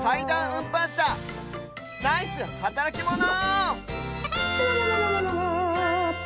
しゃナイスはたらきモノ！